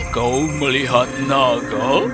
kau melihat naga